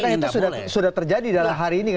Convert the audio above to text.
tapi kan itu sudah terjadi dalam hari ini